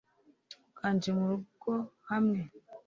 uganje mu rugo hamwe